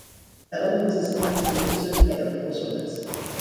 Their long limbs and small hands and feet also indicate they were poor swimmers.